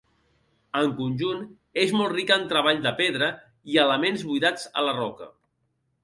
En conjunt és molt rica en treball de pedra i elements buidats a la roca.